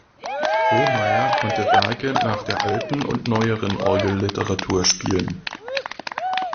Homeyer konnte Werke nach der alten und neueren Orgelliteratur spielen.